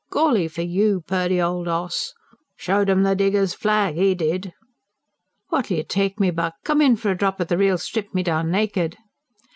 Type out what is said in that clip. "Golly for you, Purdy, old 'oss!" "Showed 'em the diggers' flag, 'e did!" "What'll you take, me buck? Come on in for a drop o' the real strip me down naked!"